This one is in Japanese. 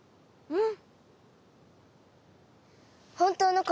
うん。